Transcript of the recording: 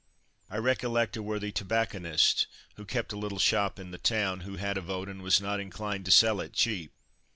I recollect a worthy tobacconist, who kept a little shop in the town, who had a vote and was not inclined to sell it cheap.